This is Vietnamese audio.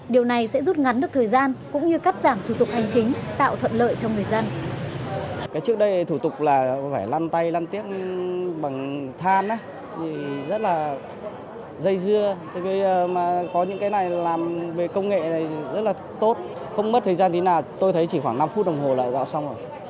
điều này sẽ rút ngắn được thời gian cũng như cắt giảm thủ tục hành chính tạo thuận lợi cho người dân